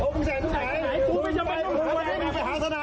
มึงไปหาสนายก่อนเมื่อเช้า